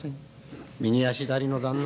右や左の旦那』。